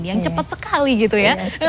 yang cepat sekali gitu ya